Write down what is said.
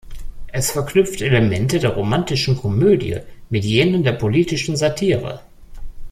Es verknüpft Elemente der romantischen Komödie mit jenen der politischen Satire.